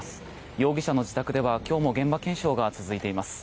容疑者の自宅では今日も現場検証が続いています。